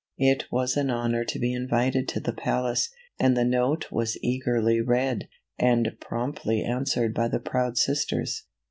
It was an honor to be invited to the palace, and the note was eagerly read, and promptly answered by the proud sisters.